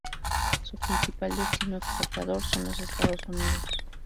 Su principal destino exportador son los Estados Unidos.